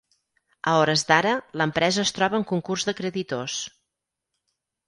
A hores d’ara, l’empresa es troba en concurs de creditors.